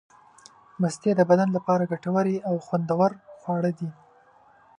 مستې د بدن لپاره ګټورې او خوندورې خواړه دي.